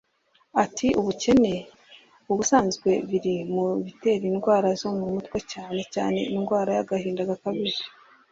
Ati"Ubukene ubusanzwe biri mu bitera indwara zo mu mutwe cyane cyane indwara y'agahinda gakabije